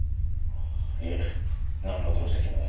いえなんの痕跡も。